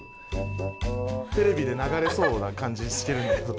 テレビで流れそうな感じしてるんだけど。